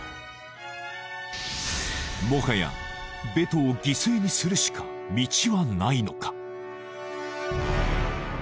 もはやベトを犠牲にするしか道はないのか？